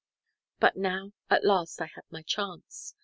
But now, at last, I had my chance.